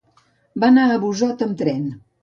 Va anar a Busot amb tren.